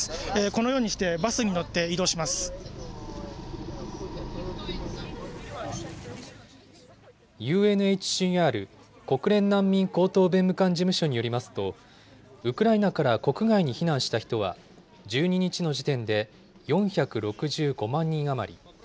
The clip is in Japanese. このようにしてバスに乗って移動ＵＮＨＣＲ・国連難民高等弁務官事務所によりますと、ウクライナから国外に避難した人は、１２日の時点で４６５万人余り。